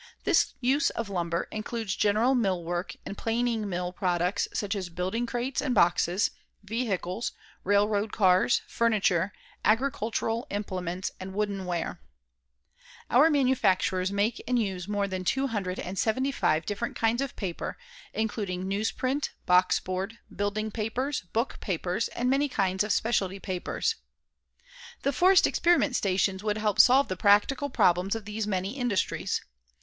This use of lumber includes general mill work and planing mill products, such as building crates and boxes, vehicles, railroad cars, furniture, agricultural implements and wooden ware. Our manufacturers make and use more than two hundred and seventy five different kinds of paper, including newsprint, boxboard, building papers, book papers and many kinds of specialty papers. The forest experiment stations would help solve the practical problems of these many industries.